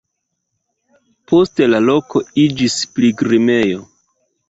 Poste la loko iĝis pilgrimejo.